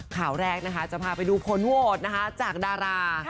ข่าวแรกนะคะจะพาไปดูผลโหวตนะคะจากดารา